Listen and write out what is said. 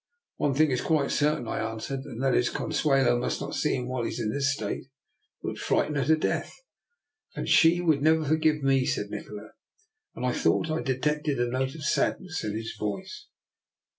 One thing is quite certain," I answered, and that is, Consuelo must not see him while he is in this state. It would frighten her to death." "And she would never forgive me," said Nikola; and I thought I detected a note of sadness in his voice.